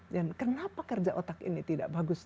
dan kenapa kerja otak ini tidak bagus